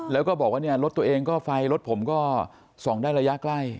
แล้วก็บอกว่าเนี่ยรถตัวเองก็ไฟรถผมก็ส่องได้ระยะใกล้